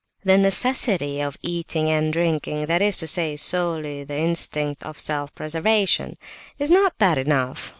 "The necessity of eating and drinking, that is to say, solely the instinct of self preservation..." "Is not that enough?